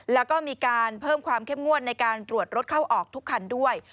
แล้วก็มีการเพิ่มความเข้มงวดในการตรวจรถเข้าออกทุกคันด้วย